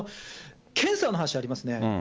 検査の話ありますよね。